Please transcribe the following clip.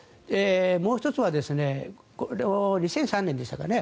もう１つは２００３年でしたかね。